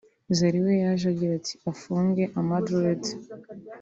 Zari we yaje agira ati “Afunge ama dread